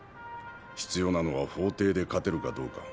必要なのは法廷で勝てるかどうか。